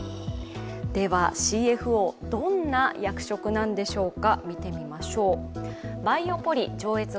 では、ＣＦＯどんな役職なんでしょうか。